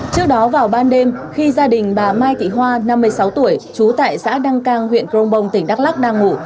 trước đó vào ban đêm khi gia đình bà mai thị hoa năm mươi sáu tuổi trú tại xã đăng cang huyện crong bong tỉnh đắk lắc đang ngủ